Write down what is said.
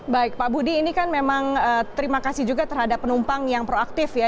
baik pak budi ini kan memang terima kasih juga terhadap penumpang yang proaktif ya